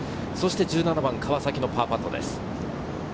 １７番、川崎のパーパットです。